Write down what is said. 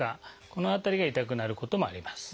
この辺りが痛くなることもあります。